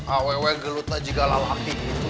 aww gelut aja kalah laki gitu